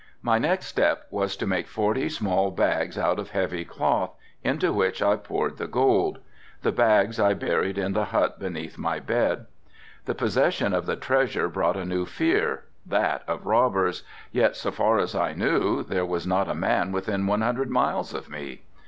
My next step was to make forty small bags out of heavy cloth into which I poured the gold, the bags I buried in the hut beneath my bed. The possession of the treasure brought a new fear, that of robbers, yet so far as I knew, there was not a man within one hundred miles of me.